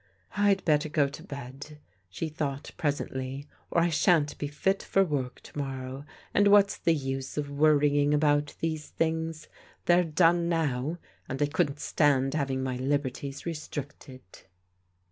" I'd better go to bed," she thought presently, " or I shan't be fit for work to morrow. And what's the use of worrying about these things ! They're done now, and I couldn't stand having my liberties restricted."